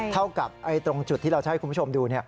เท่ากับตรงจุดที่เราจะให้คุณผู้ชมดู